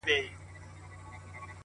o خواره وږې، څه به مومې د سوى د سږې.